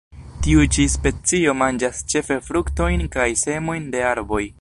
Tiu ĉi specio manĝas ĉefe fruktojn kaj semojn de arboj.